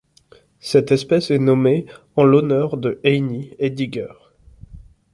Cette espèce est nommée en l'honneur de Heini Hediger.